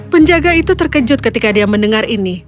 penjaga itu terkejut ketika dia mendengar ini